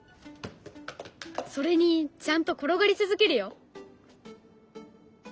それにちゃんと転がり続けるよ。